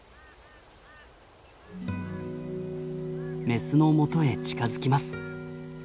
メスのもとへ近づきます。